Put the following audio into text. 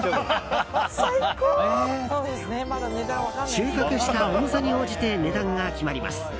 収穫した重さに応じて値段が決まります。